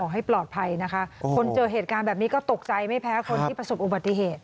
ให้ปลอดภัยนะคะคนเจอเหตุการณ์แบบนี้ก็ตกใจไม่แพ้คนที่ประสบอุบัติเหตุ